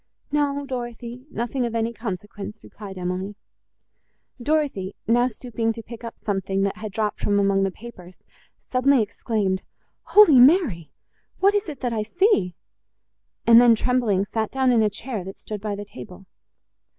"No, Dorothée, nothing of any consequence," replied Emily. Dorothée, now stooping to pick up something, that had dropped from among the papers, suddenly exclaimed, "Holy Mary! what is it I see?" and then, trembling, sat down in a chair, that stood by the table.